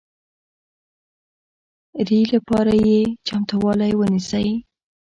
ري لپاره یې چمتوالی ونیسئ